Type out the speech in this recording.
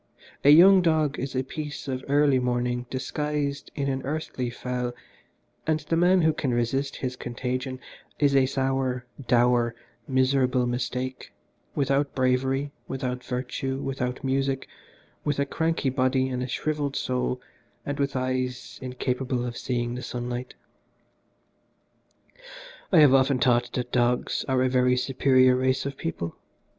A young dog is a piece of early morning disguised in an earthly fell, and the man who can resist his contagion is a sour, dour, miserable mistake, without bravery, without virtue, without music, with a cranky body and a shrivelled soul, and with eyes incapable of seeing the sunlight. "I have often thought that dogs are a very superior race of people.